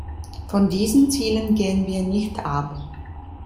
Von diesen Zielen gehen wir nicht ab.